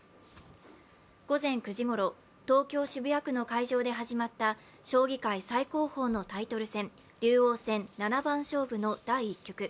午前９時ごろ、東京・渋谷区の会場で始まった将棋界最高峰のタイトル戦竜王戦七番勝負の第１局。